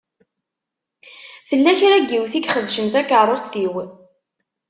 Tella kra n yiwet i ixebcen takeṛṛust-iw.